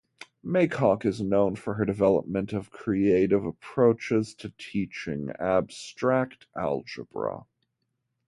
Maycock is known for her development of creative approaches to teaching abstract algebra.